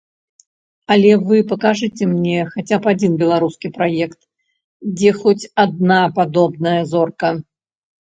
Але вы пакажыце мне хаця б адзін беларускі праект, дзе хоць адна падобная зорка.